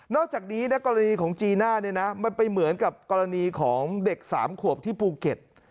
อกจากนี้นะกรณีของจีน่าเนี่ยนะมันไปเหมือนกับกรณีของเด็ก๓ขวบที่ภูเก็ต